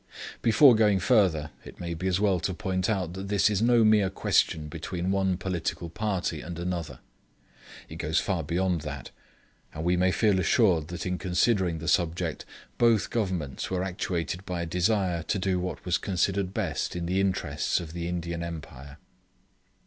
Before going further it may be as well to point out that this is no mere question between one political party and another. It goes far beyond that, and we may feel assured that in considering the subject, both Governments were actuated by a desire to do what was considered best in the interests of the Indian Empire.